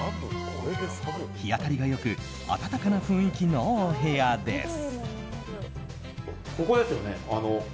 日当たりがよく温かな雰囲気のお部屋です。